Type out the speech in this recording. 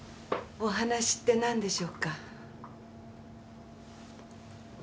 お話って何でしょうか？